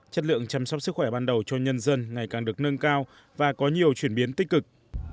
chất lượng chăm sóc sức khỏe ban đầu cho nhân dân ngày càng được nâng cao và có nhiều chuyển biến tích cực